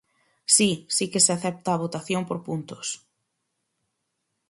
Si, si, que se acepta a votación por puntos.